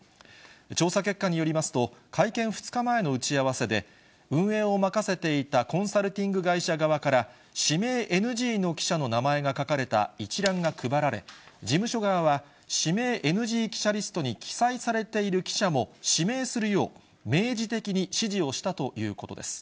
調査結果によりますと、会見２日前の打ち合わせで、運営を任せていたコンサルティング会社側から指名ＮＧの記者の名前が書かれた一覧が配られ、事務所側は、指名ＮＧ記者リストに記載されている記者も指名するよう、明示的に指示をしたということです。